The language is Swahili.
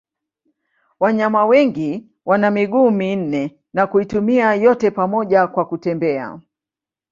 Wanyama wengi wana miguu minne na kuitumia yote pamoja kwa kutembea.